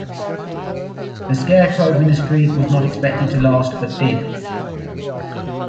The "Scarecrow Ministry" was not expected to last, but did.